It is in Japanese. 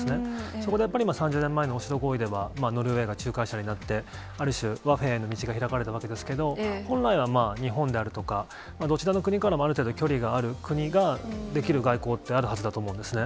そこでやっぱり３０年前のオスロ合意では、ノルウェーが仲介者になって、ある種和平が開かれたわけですけれども、本来は日本であるとか、どちらの国からある程度、距離がある国ができる外交って、あるはずだと思うんですね。